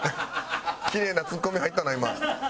きれいなツッコミ入ったな今。